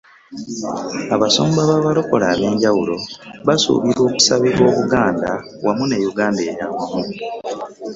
Abasumba b'abalokole ab'enjawulo basuubirwa okusabirwa obuganda wamu ne Uganda ey'awamu